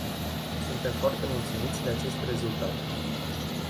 Suntem foarte mulțumiți de acest rezultat.